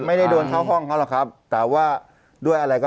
ไม่ได้โดนเข้าห้องเขาหรอกครับแต่ว่าด้วยอะไรก็